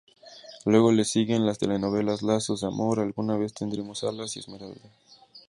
Luego le siguen las telenovelas Lazos de amor, Alguna vez tendremos alas y Esmeralda.